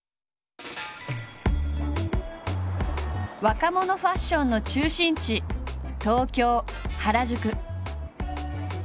若者ファッションの中心地東京・原宿。